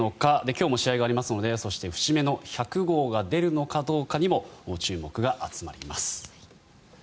今日も試合がありますのでそして、節目の１００号が出るのかどうかにも注目が集まります。